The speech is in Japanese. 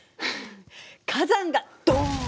火山がドン！